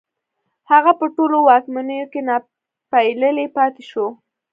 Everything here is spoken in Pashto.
هغه په ټولو واکمنیو کې ناپېیلی پاتې شو